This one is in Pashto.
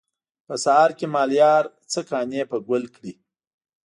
په سهار کې مالیار څه کانې په ګل کړي.